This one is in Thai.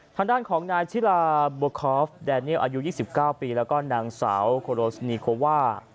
ทางด้านของนายชิลาบัวคอฟแดเนียลอายุ๒๙ปีแล้วก็นางสาวโคโรสนีโคว่า